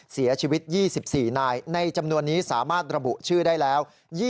เสียชีวิต๒๔นายในจำนวนนี้สามารถระบุชื่อได้แล้ว